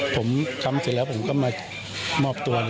ผมทำเสร็จแล้วผมก็มามอบตัว